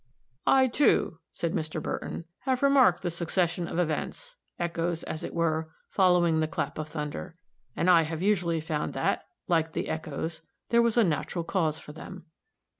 "I, too," said Mr. Burton, "have remarked the succession of events echoes, as it were, following the clap of thunder. And I have usually found that, like the echoes, there was a natural cause for them."